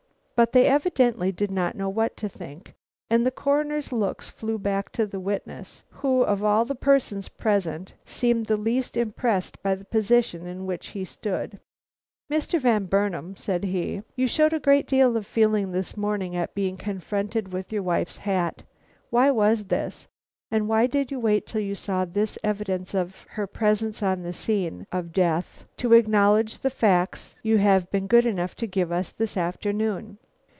But they evidently did not know what to think, and the Coroner's looks flew back to the witness who of all the persons present seemed the least impressed by the position in which he stood. "Mr. Van Burnam," said he, "you showed a great deal of feeling this morning at being confronted with your wife's hat. Why was this, and why did you wait till you saw this evidence of her presence on the scene of death to acknowledge the facts you have been good enough to give us this afternoon?"